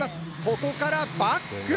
ここからバック。